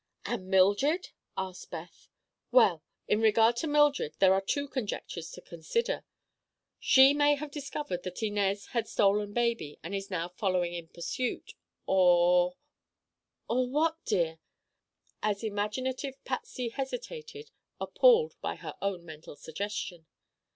"And Mildred?" asked Beth. "Well, in regard to Mildred, there are two conjectures to consider. She may have discovered that Inez had stolen baby and is now following in pursuit. Or—" "Or what, dear?" as imaginative Patsy hesitated, appalled by her own mental suggestion.